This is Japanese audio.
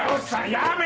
やめ！